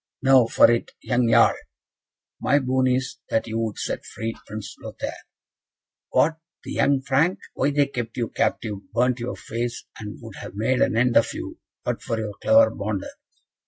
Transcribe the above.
Now for it, young Jarl." "My boon is, that you would set free Prince Lothaire." "What? the young Frank? Why they kept you captive, burnt your face, and would have made an end of you but for your clever Bonder."